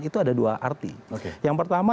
itu ada dua arti yang pertama